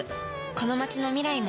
この町の未来も。